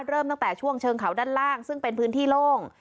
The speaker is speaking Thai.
เริ่มตั้งแต่ช่วงเชิงเขาด้านล่างซึ่งเป็นพื้นที่โล่ง